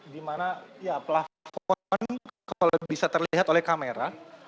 di mana ya plafon kalau bisa terlihat oleh kamera